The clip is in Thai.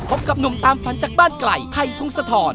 พบกับหนุ่มตามฟันจากบ้านไกลไพพรุงสะทอน